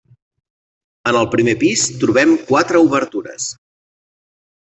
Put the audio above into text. En el primer pis trobem quatre obertures.